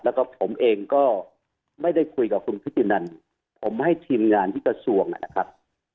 แล้วก็ผมเองก็ไม่ได้คุยกับคุณพิธีนันผมให้ทีมงานที่กระทรวงนะครับ